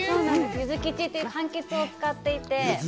ゆずきちというかんきつを使っていて。